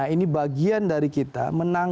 nah ini bagian dari kita menangkapnya